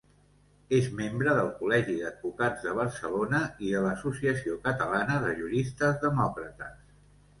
És membre del Col·legi d'Advocats de Barcelona i de l'Associació Catalana de Juristes Demòcrates.